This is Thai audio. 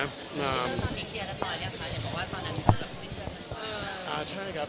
เป็นอย่างมืดฮ่าว่าตอนนั้นพี่ซาอยากผู้ชินเหมือนกับเธอ